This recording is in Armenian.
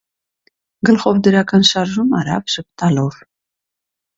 Գլխով դրական շարժում արավ ժպտալով: